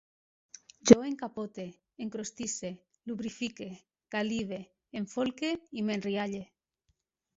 Jo encapote, encrostisse, lubrifique, galibe, enfolque, m'enrialle